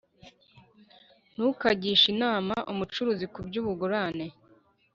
ntukagishe inama umucuruzi ku by’ubugurane,